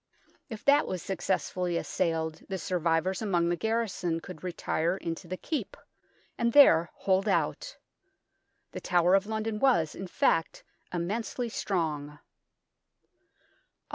If that was successfully assailed, the survivors among the garrison could retire into the Keep, and there hold out. The Tower of London was, in fact, immensely strong.